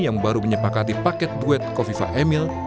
yang baru menyepakati paket duet kofifa emil